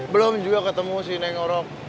belum juga ketemu si neng orok